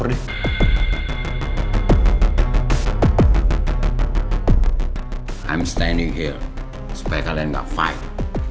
i'm standing here supaya kalian gak fight